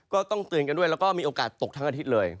ก็ต้องเตือนกันด้วยแล้วก็มีโอกาสตกทั้งอาทิตย์เลย